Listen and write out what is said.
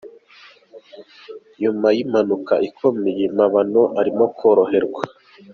Nyuma y’impanuka ikomeye mabano arimo koroherwa